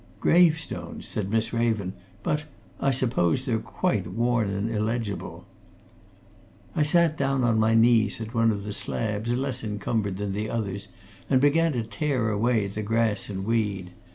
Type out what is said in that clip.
"Gravestones!" said Miss Raven. "But I suppose they're quite worn and illegible." I got down on my knees at one of the slabs less encumbered than the others and began to tear away the grass and weed.